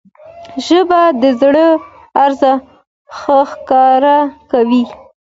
ژبه د زړه راز ښکاره کوي